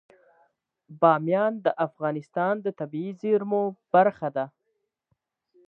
بامیان د افغانستان د طبیعي زیرمو برخه ده.